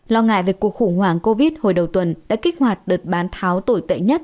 lo ngại về cuộc khủng hoảng covid hồi đầu tuần đã kích hoạt đợt bán tháo tồi tệ nhất